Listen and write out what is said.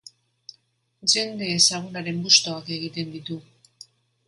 Jende ezagunaren bustoak egiten ditu.